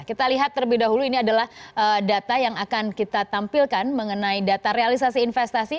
kita lihat terlebih dahulu ini adalah data yang akan kita tampilkan mengenai data realisasi investasi